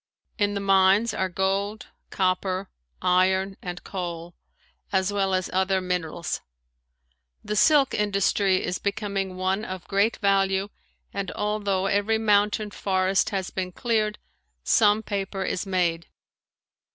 In the mines are gold, copper, iron and coal, as well as other minerals. The silk industry is becoming one of great value and although every mountain forest has been cleared, some paper is made.